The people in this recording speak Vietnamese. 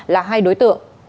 là hai đối tượng